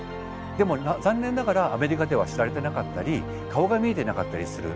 でも残念ながらアメリカでは知られてなかったり顔が見えてなかったりする。